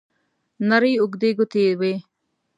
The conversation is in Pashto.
نرۍ اوږدې ګوتې یې وې.